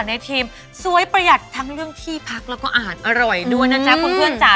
ในทีมสวยประหยัดทั้งเรื่องที่พักแล้วก็อาหารอร่อยด้วยนะจ๊ะคุณเพื่อนจ๋า